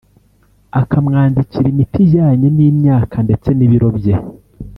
akamwandikira imiti ijyanye n’imyaka ndetse n’ibiro bye